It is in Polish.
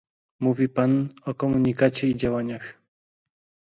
Mówi pan o komunikacie i działaniach